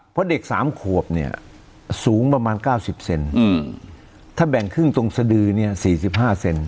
เพราะเด็กสามขวบเนี่ยสูงประมาณ๙๐เซนถ้าแบ่งครึ่งตรงสดือเนี่ย๔๕เซน